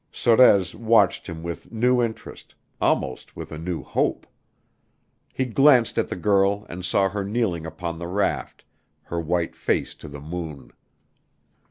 Sorez watched him with new interest almost with a new hope. He glanced at the girl and saw her kneeling upon the raft, her white face to the moon.